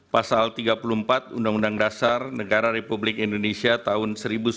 pasal tiga puluh empat undang undang dasar negara republik indonesia tahun seribu sembilan ratus empat puluh lima